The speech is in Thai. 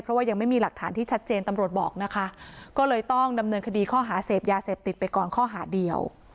เพราะว่ายังไม่มีหลักฐานที่ชัดเจนตำรวจบอกนะคะก็เลยต้องดำเนินคดีข้อหาเสพยาเสพติดไปก่อนข้อหาเดียว